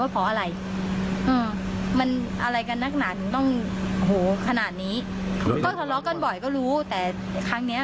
พี่สาวเราเนี่ยเสียชีวิตเพราะอะไร